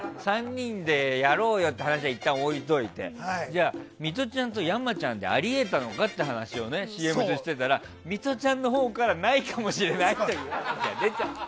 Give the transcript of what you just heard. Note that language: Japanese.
３人でやろうよって話はいったん置いておいてじゃあミトちゃんと山ちゃんであり得たのかという話をＣＭ中にしていたらミトちゃんのほうからないかもしれないっていうのが出ちゃった。